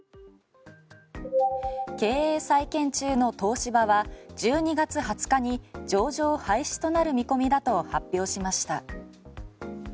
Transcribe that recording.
経営再建中の東芝は１２月２０日に上場廃止となる見込みだと発表しました。